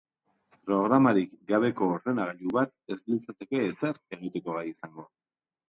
Programarik gabeko ordenagailu bat ez litzateke ezer egiteko gai izango.